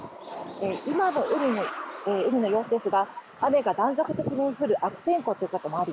今の海の様子ですが雨が断続的に降る悪天候ということもあり